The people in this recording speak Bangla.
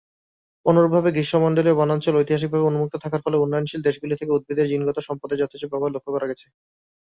অনুরূপভাবে গ্রীষ্মমন্ডলীয় বনাঞ্চল ঐতিহাসিকভাবে উন্মুক্ত থাকার ফলে উন্নয়নশীল দেশগুলি থেকে উদ্ভিদের জিনগত সম্পদের যথেচ্ছ ব্যবহার লক্ষ্য করা গেছে।